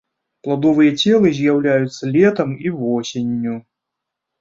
Пладовыя целы з'яўляюцца летам і восенню.